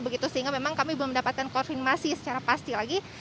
begitu sehingga memang kami belum mendapatkan konfirmasi secara pasti lagi